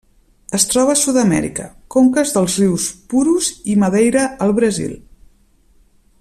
Es troba a Sud-amèrica: conques dels rius Purus i Madeira al Brasil.